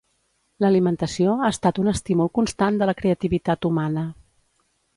L'alimentació ha estat un estímul constant de la creativitat humana.